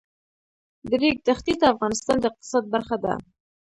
د ریګ دښتې د افغانستان د اقتصاد برخه ده.